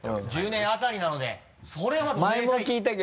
１０年あたりなのでそれはおめでたい。